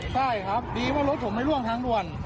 ใช่ครับดีว่ารถผมไม่ล่วงทางด่วน